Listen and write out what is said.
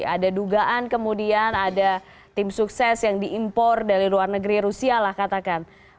ada dugaan kemudian ada tim sukses yang diimpor dari luar negeri rusia lah katakan